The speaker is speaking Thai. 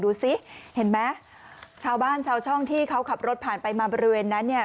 ดูสิเห็นไหมชาวบ้านชาวช่องที่เขาขับรถผ่านไปมาบริเวณนั้นเนี่ย